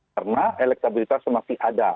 karena elektabilitas masih ada